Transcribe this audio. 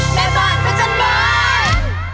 แม่บ้านพระจันทร์บ้าน